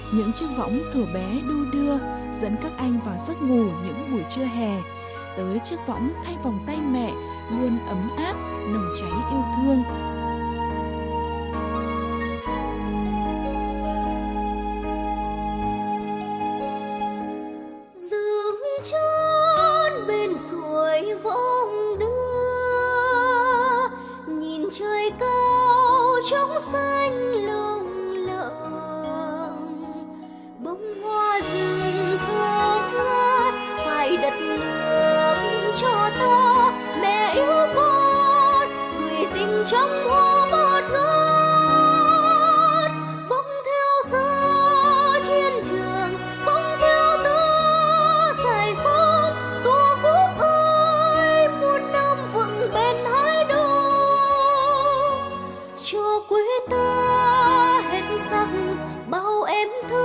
những chiếc võng thủa bé đu đưa dẫn các anh vào giấc ngủ những buổi trưa hè